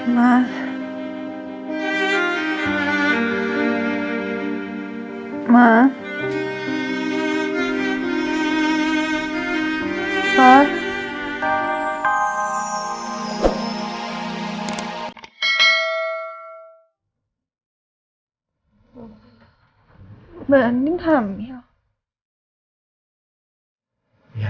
sampai jumpa di video selanjutnya